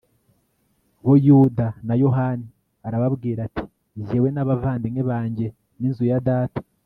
bo yuda na yohani, arababwira ati jyewe n'abavandimwe banjye n'inzu ya data